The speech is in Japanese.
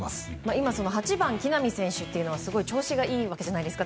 今、８番の木浪選手はすごく調子がいいわけじゃないですか。